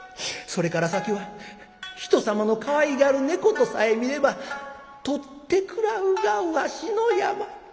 それから先は人様のかわいがる猫とさえ見れば捕って食らうがわしの病。